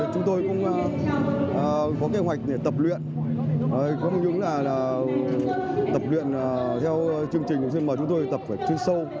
chúng tôi cũng có kế hoạch tập luyện có những là tập luyện theo chương trình mà chúng tôi tập phải chuyên sâu